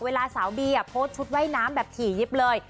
เวลาสาวบีโพสต์ชุดว่ายน้ำแบบถี่ยิบเลย